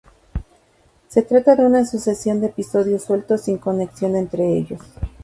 Se trataba de una sucesión de episodios sueltos sin conexión entre ellos.